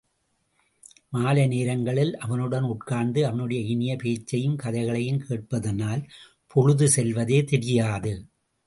மாலை நேரங்களில் அவனுடன் உட்கார்ந்து அவனுடைய இனிய பேச்சையும், கதைகளையும் கேட்பதானால், பொழுது செல்வதே தெரியாது.